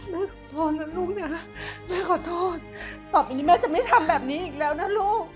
ขอโทษนะลูกนะแม่ขอโทษต่อไปนี้แม่จะไม่ทำแบบนี้อีกแล้วนะลูก